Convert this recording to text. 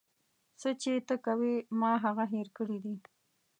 څه چې ته کوې ما هغه هير کړي دي.